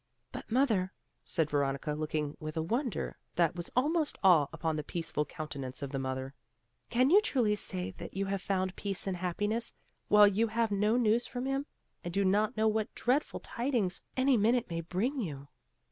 "But mother," said Veronica, looking with a wonder that was almost awe upon the peaceful countenance of the mother, "can you truly say that you have found peace and happiness, while you have no news from him, and do not know what dreadful tidings any minute may bring you?"